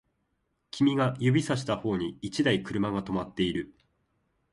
君が指差した方に一台車が止まっている